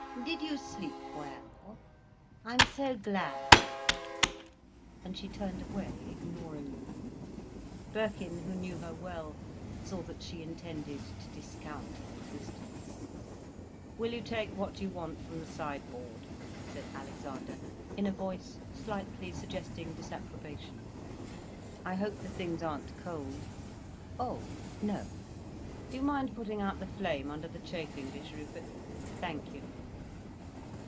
Did you sleep well? I'm so glad." And she turned away, ignoring them. Birkin, who knew her well, saw that she intended to discount his existence. "Will you take what you want from the sideboard?" said Alexander, in a voice slightly suggesting disapprobation. "I hope the things aren't cold. Oh no! Do you mind putting out the flame under the chafing dish, Rupert? Thank you."